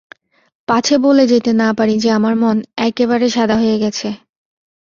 পাছে বলে যেতে না পারি যে আমার মন একেবারে সাদা হয়ে গেছে।